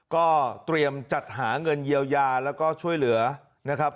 ก็เตรียมจัดหาเงินเยียวยาแล้วก็ช่วยเหลือนะครับ